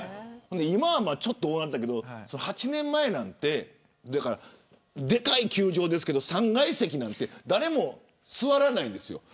今は分からないけど８年前なんてでかい球場ですけど３階席は誰も座らないんです。